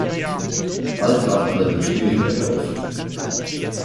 Bald traten allerdings Schwierigkeiten auf.